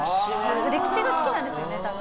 歴史が好きなんですよね、多分。